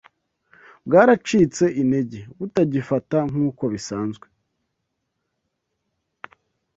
bwaracitse intege, butagifata nk’uko bisanzwe